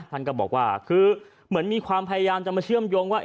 ท่านก็บอกว่าคือเหมือนมีความพยายามจะมาเชื่อมโยงว่า